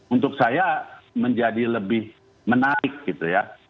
untuk saya menjadi lebih menarik gitu ya